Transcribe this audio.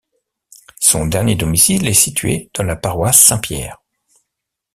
Son dernier domicile est situé dans la paroisse Saint-Pierre.